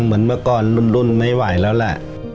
เหมือนเมื่อก่อนรุ่นไม่ไหวแล้วแหละ